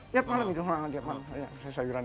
tiap malam itu orang tiap malam